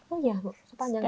oh iya sepanjang hari